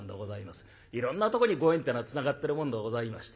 いろんなとこにご縁ってのはつながってるもんでございまして。